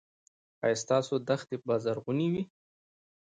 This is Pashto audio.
ایا ستاسو دښتې به زرغونې وي؟